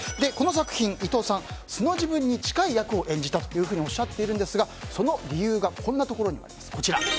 この作品で伊藤さんは素の自分に近い役を演じたというふうにおっしゃっているんですがその理由がこんなところにあります。